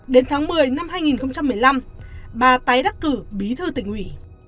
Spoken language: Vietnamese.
đến tháng một mươi năm hai nghìn một mươi năm bà tái đắc cử bí thư tỉnh ủy